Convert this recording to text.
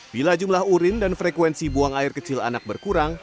bila jumlah urin dan frekuensi buang air kecil anak berkurang